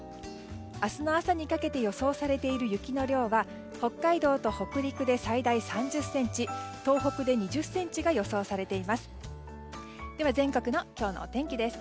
明日の朝にかけて予想されている雪の量は北海道と北陸で最大３０ｃｍ東北で２０ｃｍが予想されています。